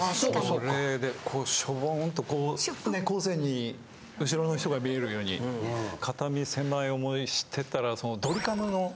それでしょぼんとこう猫背に後ろの人が見えるように肩身狭い思いしてたらドリカムの。